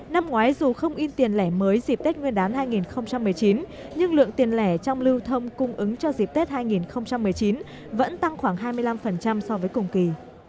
năm ngoái dù không in tiền lẻ mới dịp tết nguyên đán hai nghìn một mươi chín nhưng lượng tiền lẻ trong lưu thông cung ứng cho dịp tết hai nghìn một mươi chín vẫn tăng khoảng hai mươi năm so với cùng kỳ